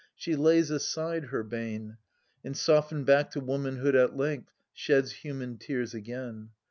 She lays aside her bane, " And softened back to womanhood at length Sheds human tears again.